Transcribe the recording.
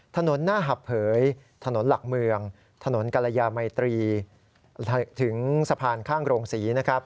ถนนหน้าหับเผยถนนหลักเมืองถนนกรยามัยตรีถึงสะพานข้างโรงศรีนะครับ